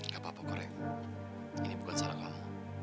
gapapa korek ini bukan salah kamu